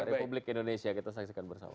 republik indonesia kita saksikan bersama